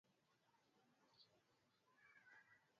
chini ya rais wake ali fereji tam mbad baada matokeo ya uchaguzi mkuu